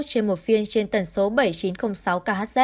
trên một phiên trên tầng số bảy nghìn chín trăm linh sáu khz